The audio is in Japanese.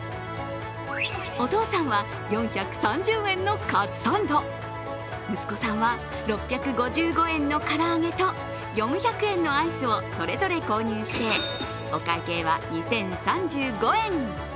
お父さんは４３０円のカツサンド、息子さんは６５５円のからあげと、４００円のアイスをそれぞれ購入してお会計は２０３５円。